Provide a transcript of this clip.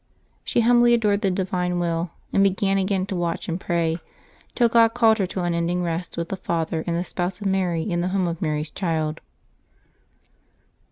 She humbly adored the Divine Will, and began again to watch and pray, till God called her to un ending rest with the Father and the Spouse of Mary in the home of Mary's Child.